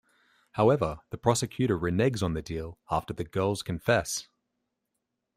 However, the prosecutor reneges on the deal after the girls confess.